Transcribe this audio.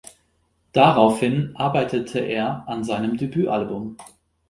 Daraufhin arbeitete er an seinem Debütalbum.